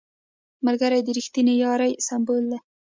ملګری د رښتینې یارۍ سمبول دی